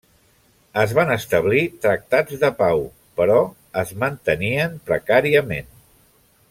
Es van establir tractats de pau, però es mantenien precàriament.